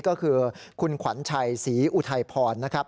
ก็คือคุณขวัญชัยศรีอุทัยพรนะครับ